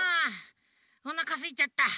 おなかすいちゃった。